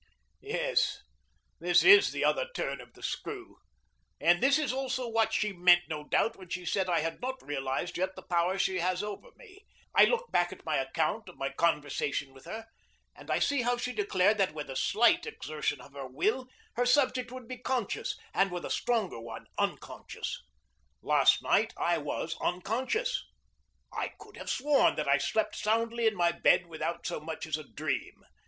Yes, this is the other turn of the screw. And this is also what she meant, no doubt, when she said that I had not realized yet the power she has over me. I look back at my account of my conversation with her, and I see how she declared that with a slight exertion of her will her subject would be conscious, and with a stronger one unconscious. Last night I was unconscious. I could have sworn that I slept soundly in my bed without so much as a dream.